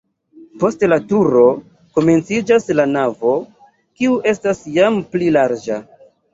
Post la turo komenciĝas la navo, kiu estas jam pli larĝa.